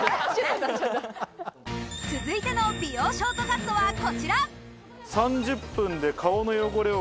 続いての美容ショートカットはこちら。